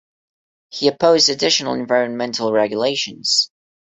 He opposed additional environmental regulations.